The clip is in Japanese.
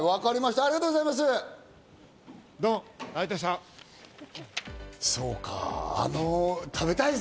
ありがとうございます。